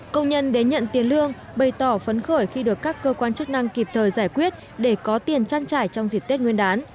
công nhân đến nhận tiền lương bày tỏ phấn khởi khi được các cơ quan chức năng kịp thời giải quyết để có tiền trang trải trong dịp tết nguyên đán